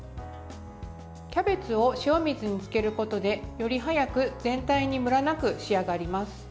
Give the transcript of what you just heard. キャベツを塩水につけることでより早く全体にムラなく仕上がります。